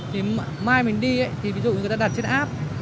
thì mai mình đi thì ví dụ người ta đặt trên app